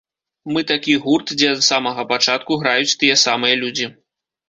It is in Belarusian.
Мы такі гурт, дзе ад самага пачатку граюць тыя самыя людзі.